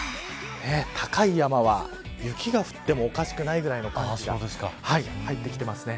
高い山は雪が降ってもおかしくないぐらいの寒気が入ってきてますね。